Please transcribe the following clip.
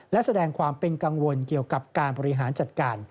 และแสดงความเป็นกังวลเกี่ยวกับการบริหารจัดการ